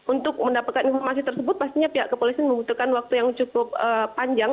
untuk mendapatkan informasi tersebut pastinya pihak kepolisian membutuhkan waktu yang cukup panjang